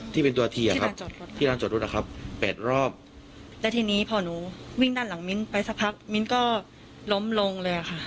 ที่เป็นตัวทีอะครับที่ร้านจอดรถนะครับแปดรอบแล้วทีนี้พอหนูวิ่งด้านหลังมิ้นไปสักพักมิ้นก็ล้มลงเลยค่ะ